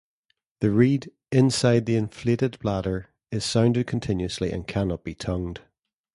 The reed, inside the inflated bladder, is sounded continuously, and cannot be tongued.